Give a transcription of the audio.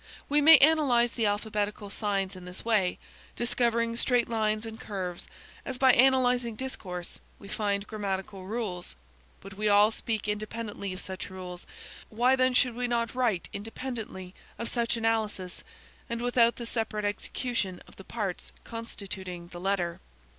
We may analyse the alphabetical signs in this way, discovering straight lines and curves, as by analysing discourse, we find grammatical rules. But we all speak independently of such rules, why then should we not write independently of such analysis, and without the separate execution of the parts constituting the letter?